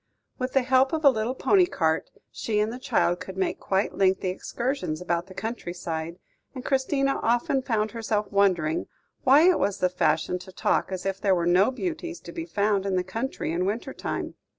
With the help of a little pony cart, she and the child could make quite lengthy excursions about the country side, and Christina often found herself wondering why it was the fashion to talk as if there were no beauties to be found in the country in winter time.